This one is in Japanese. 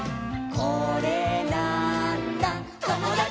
「これなーんだ『ともだち！』」